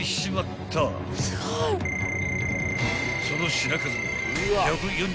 ［その品数は］